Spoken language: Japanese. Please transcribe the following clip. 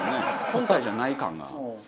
本体じゃない感が。